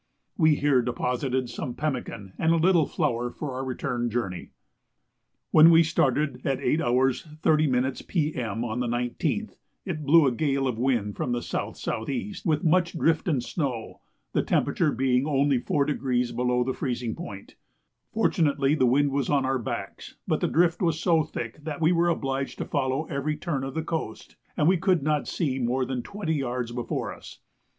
We here deposited some pemmican and a little flour for our return journey. When we started at 8 h. 30 m. P.M. on the 19th it blew a gale of wind from S.S.E. with much drift and snow, the temperature being only 4° below the freezing point. Fortunately the wind was on our backs; but the drift was so thick that we were obliged to follow every turn of the coast, and we could not see more than twenty yards before us.